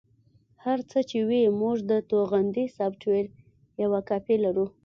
هر څه چې وي موږ د توغندي سافټویر یوه کاپي لرو